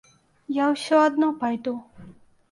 Я ўсё адно пайду.